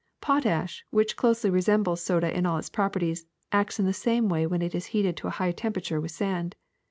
Potash, which closely resembles soda in all its properties, acts in the same way when it is heated to a high temperature with sand.